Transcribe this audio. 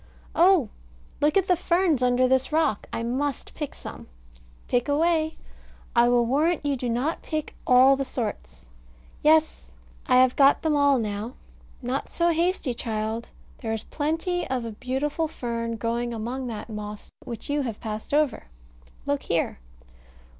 Oh, look at the ferns under this rock! I must pick some. Pick away. I will warrant you do not pick all the sorts. Yes. I have got them all now. Not so hasty, child; there is plenty of a beautiful fern growing among that moss, which you have passed over. Look here.